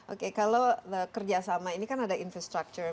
oke kalau kerjasama ini kan ada infrastructure